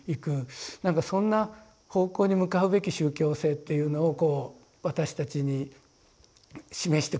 なんかそんな方向に向かうべき宗教性っていうのをこう私たちに示してくれようとしたんじゃないかという。